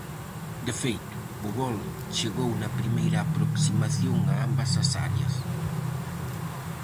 De feito, o gol chegou na primeira aproximación a ambas as áreas.